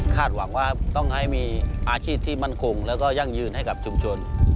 หวังว่าต้องให้มีอาชีพที่มั่นคงแล้วก็ยั่งยืนให้กับชุมชน